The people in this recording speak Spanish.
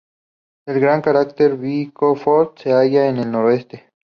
El gran cráter Birkhoff se halla al noroeste.